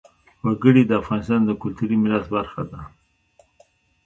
وګړي د افغانستان د کلتوري میراث برخه ده.